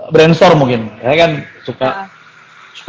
brainstorm mungkin saya kan suka